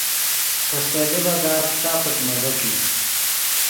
خیستو لیڤزا پݯا پݯ مزو کیت